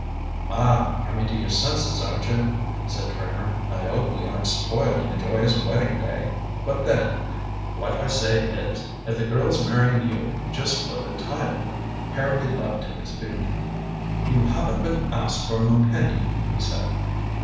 "Ah coming to your senses, aren't you?" said Trimmer. "I hope we aren't spoiling the joyous wedding day. But then, what I say is, if the girl's marrying you just for the title " Harrowby leaped to his feet "You haven't been asked for an opinion," he said.